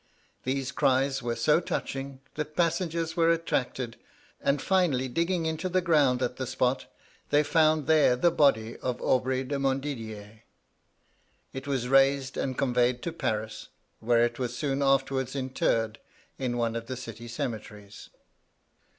These cries were so touching, that passengers were attracted; and finally digging into the ground at the spot, they found there the body of Aubry de Montdidier. It was raised and conveyed to Paris, where it was soon afterwards interred in one of the city cemeteries.